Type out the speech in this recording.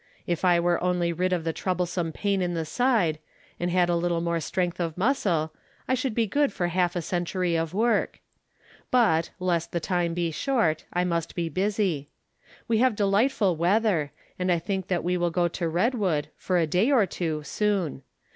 If I were only rid of the trouble some pain in the side, and had a little more strength of muscle, I shoiiLd be good for half a From Different Standpoints. 233 century of work. But, lest the time be short, I must be busy. We have delightful weather, and I think that we will go to Redwood, for a day or two, soon.